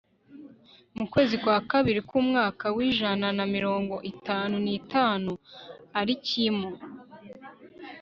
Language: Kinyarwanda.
mu kwezi kwa kabiri k'umwaka w'ijana na mirongo itanu n'itanu, alikimu